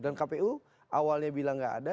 dan kpu awalnya bilang gak ada